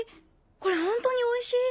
これホントにおいしい。